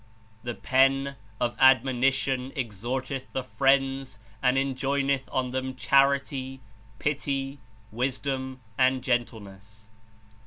"The Pen of admonition exhorteth the friends and enjoineth on them charity, pity, wisdom and gentle 94 ness.